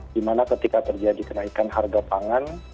di mana ketika terjadi kenaikan harga pangan